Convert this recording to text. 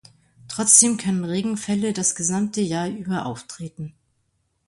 Trotzdem können Regenfälle das gesamte Jahr über auftreten.